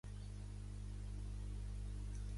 La diòcesi comprèn el departament francès dels Vosges.